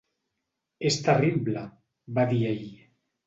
"És terrible", va dir ell.